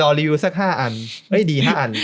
รีวิวสัก๕อันไม่ดี๕อัน